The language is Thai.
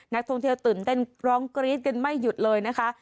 นักท่องเที่ยวตื่นเต้นร้องกรี๊ดกันไม่หยุดเลยนะคะ